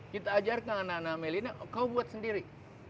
kita ajarkan anak anak milenial kau buat sendiri